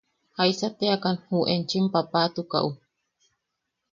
–¿Jaisa teakan ju enchim paapatukaʼu?